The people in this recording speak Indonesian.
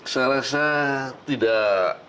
saya rasa tidak